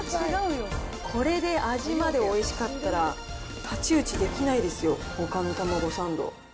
これで味までおいしかったら、太刀打ちできないですよ、ほかのたまごサンド。